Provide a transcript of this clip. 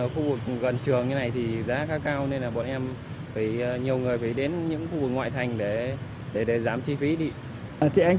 khu vực gần trường như này thì giá khá cao nên là bọn em phải nhiều người phải đến những khu vực ngoại thành để giảm chi phí đi